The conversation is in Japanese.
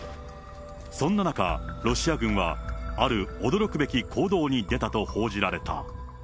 そんな中、ロシア軍はある驚くべき行動に出たと報じられた。